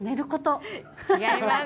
違います。